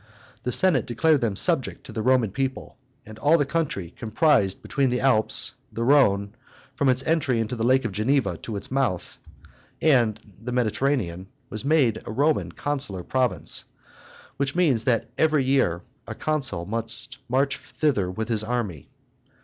The Senate declared them subject to the Roman people; and all the country comprised between the Alps, the Rhone from its entry into the Lake of Geneva to its mouth, and the Mediterranean, was made a Roman consular province, which means that every year a consul must march thither with his army.